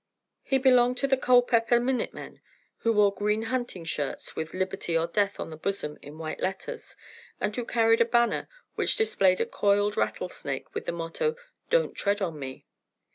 He belonged to the Culpepper Minute men, who wore green hunting shirts with "Liberty or Death" on the bosom in white letters, and who carried a banner which displayed a coiled rattlesnake with the motto, "Don't tread on me."